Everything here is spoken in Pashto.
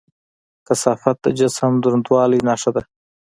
کثافت د جسم د دروندوالي نښه ده.